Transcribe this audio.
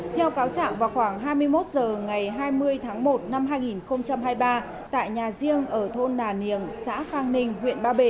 theo cáo trạng vào khoảng hai mươi một h ngày hai mươi tháng một năm hai nghìn hai mươi ba tại nhà riêng ở thôn nà niềng xã khang ninh huyện ba bể